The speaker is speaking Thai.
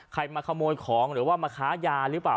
มาขโมยของหรือว่ามาค้ายาหรือเปล่า